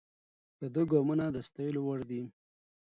د ده ګامونه د ستایلو وړ دي.